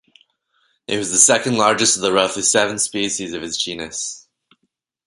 It was the second-largest of the roughly seven species of its genus.